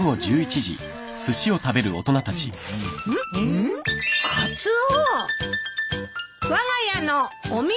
・ん？カツオ！？